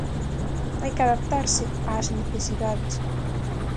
Hai que adaptarse ás necesidades.